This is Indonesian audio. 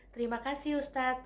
terima kasih ustadz